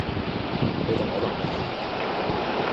你當我流架吓